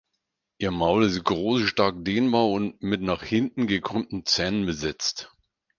Ihr Maul ist groß, stark dehnbar und mit nach hinten gekrümmten Zähnen besetzt.